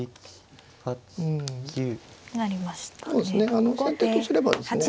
あの先手とすればですね